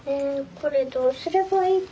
これどうすればいいと？